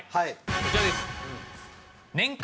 こちらです。